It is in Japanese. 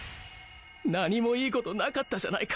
何もいいことなかったじゃないか。